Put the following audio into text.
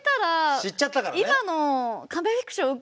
知っちゃったからね。